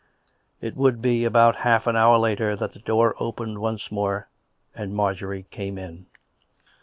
It would be about half an hour later that the door opened once more and Marjorie came in again.